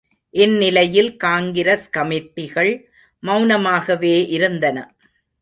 இந்நிலையில் காங்கிரஸ் கமிட்டிகள் மெளனமாகவே இருந்தன.